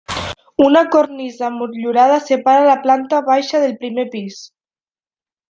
Una cornisa motllurada separa la planta baixa del primer pis.